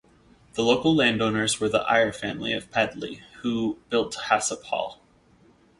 The local landowners were the Eyre family of Padley, who built Hassop Hall.